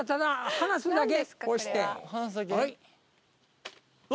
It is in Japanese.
離すだけ。